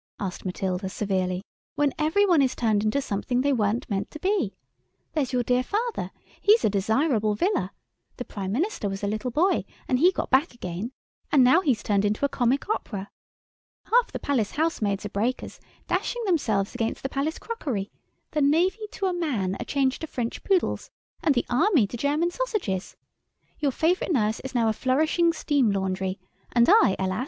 asked Matilda, severely, "when every one is turned into something they weren't meant to be? There's your dear father—he's a desirable villa—the Prime Minister was a little boy, and he got back again, and now he's turned into a Comic Opera. Half the Palace housemaids are breakers, dashing themselves against the Palace crockery: the Navy, to a man, are changed to French poodles, and the Army to German sausages. Your favourite nurse is now a flourishing steam laundry, and I, alas!